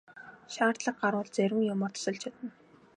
Шаардлага гарвал зарим юмаар тусалж чадна.